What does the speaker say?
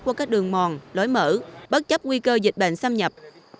qua các đường mòn lối mở bất chấp nguy cơ dịch bệnh xâm nhập